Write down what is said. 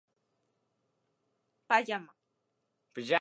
パジャマ